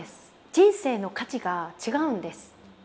人生の価値が違うんです。